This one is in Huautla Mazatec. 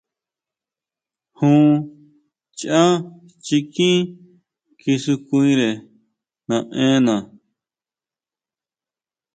Jun chʼá chikín kisukire naʼena.